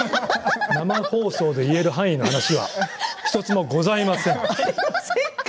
生放送で言える範囲のものは１つもございません。